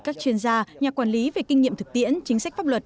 các chuyên gia nhà quản lý về kinh nghiệm thực tiễn chính sách pháp luật